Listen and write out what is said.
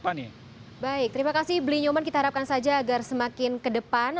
baik terima kasih blinyoman kita harapkan saja agar semakin ke depan